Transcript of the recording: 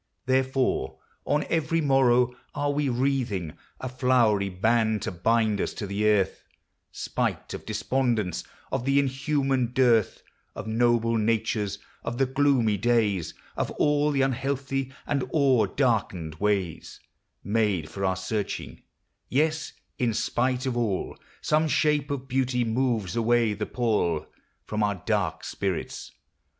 Therefore, on every morrow, are we wreathing A flowery band to bind us to the earth, Spite of despondence, of the inhuman dearth Of noble natures, of the gloomy days, Of all the unhealthy and o'er darkened ways Made for our searching : yes, in spite of all, Some shape of beauty moves away the pall From our dark spirits.